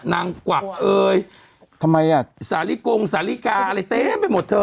กวักเอยทำไมอ่ะสาลิกงสาลิกาอะไรเต็มไปหมดเธอ